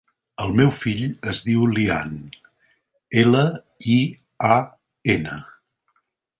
El meu fill es diu Lian: ela, i, a, ena.